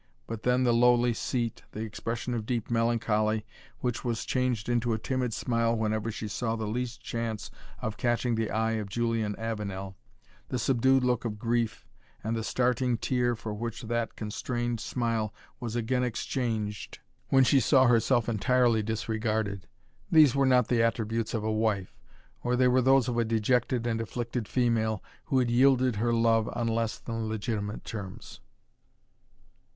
But then the lowly seat, the expression of deep melancholy, which was changed into a timid smile whenever she saw the least chance of catching the eye of Julian Avenel, the subdued look of grief, and the starting tear for which that constrained smile was again exchanged when she saw herself entirely disregarded, these were not the attributes of a wife, or they were those of a dejected and afflicted female, who had yielded her love on less than legitimate terms.